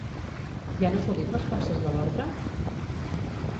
Hi han acudit les forces de l'ordre?